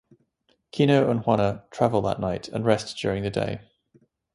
Kino and Juana travel that night, and rest during the day.